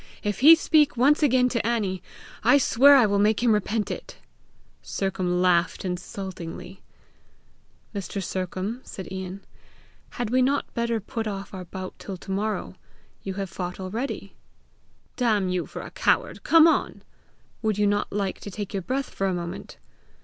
"If he speak once again to Annie, I swear I will make him repent it!" Sercombe laughed insultingly. "Mr. Sercombe," said Ian, "had we not better put off our bout till to morrow? You have fought already!" "Damn you for a coward, come on!" "Would you not like to take your breath for a moment?"